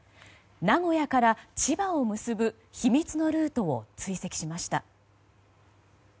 名古屋から千葉を結ぶ秘密のルートを追跡しました。